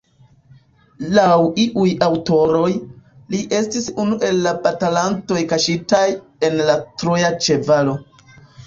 Laŭ iuj aŭtoroj, li estis unu el la batalantoj kaŝitaj en la troja ĉevalo.